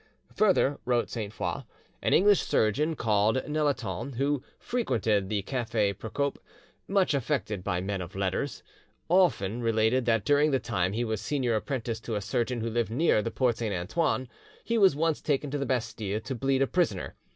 "Further," wrote Sainte Foix, "an English surgeon called Nelaton, who frequented the Cafe Procope, much affected by men of letters, often related that during the time he was senior apprentice to a surgeon who lived near the Porte Saint Antoine, he was once taken to the Bastille to bleed a prisoner.